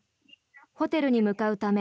ホテルに向かうため